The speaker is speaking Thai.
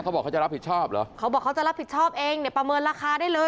เขาบอกเขาจะรับผิดชอบเหรอเขาบอกเขาจะรับผิดชอบเองเนี่ยประเมินราคาได้เลย